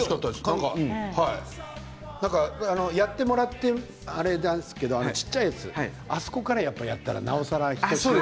何かやってもらってあれなんですけれど小さいやつあそこからやったら、なおさらね。